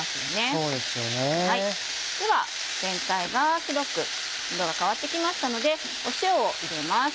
では全体が白く色が変わって来ましたので塩を入れます。